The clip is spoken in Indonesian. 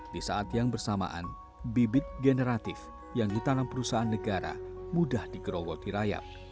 di saat yang bersamaan bibit generatif yang ditanam perusahaan negara mudah digerowoti rayap